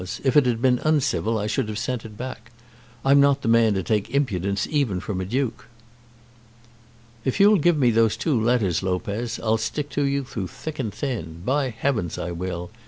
If it had been uncivil I should have sent it back. I'm not the man to take impudence even from a duke." "If you'll give me those two letters, Lopez, I'll stick to you through thick and thin. By heavens I will!